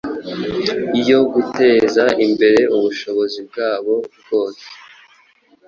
yo guteza imbere ubushobozi bwabo bwose,